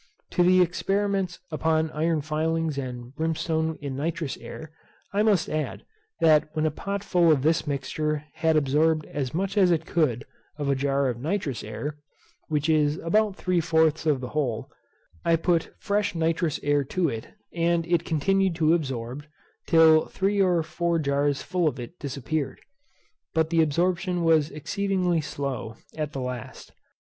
To the experiments upon iron filings and brimstone in nitrous air, I must add, that when a pot full of this mixture had absorbed as much as it could of a jar of nitrous air (which is about three fourths of the whole) I put fresh nitrous air to it, and it continued to absorb, till three or four jars full of it disappeared; but the absorption was exceedingly slow at the last.